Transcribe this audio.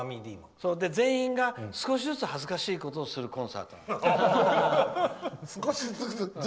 全員が少しずつ恥ずかしいことをするコンサートです。